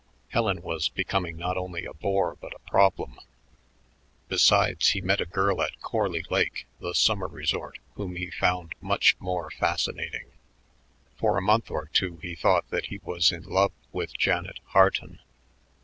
Helen was becoming not only a bore but a problem. Besides, he met a girl at Corley Lake, the summer resort, whom he found much more fascinating. For a month or two he thought that he was in love with Janet Harton.